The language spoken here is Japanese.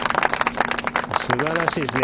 素晴らしいですね。